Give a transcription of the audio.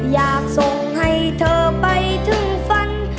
อยากส่งให้เธอไปถึงฝัน